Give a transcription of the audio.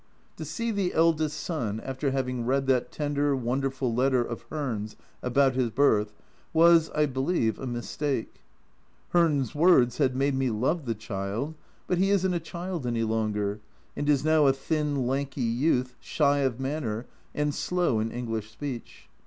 To see the eldest son, after having read that tender, wonderful letter of Hearn's about his birth, was, I believe, a mistake. Hearn's words had made me love the child but he isn't a child any longer, and is now a thin lanky youth, shy of manner and slow in English speech.